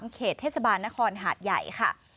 เขตเทศบาลนครหาดใหญ่ค่ะ